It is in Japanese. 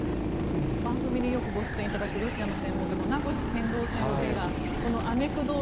番組によくご出演いただくロシアの専門家の名越健郎先生がこのアネクドート。